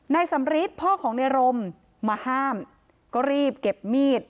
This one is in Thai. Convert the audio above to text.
สำริทพ่อของในรมมาห้ามก็รีบเก็บมีด